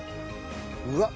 うわっ！